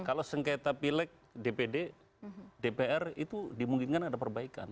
kalau sengketa pilek dpd dpr itu dimungkinkan ada perbaikan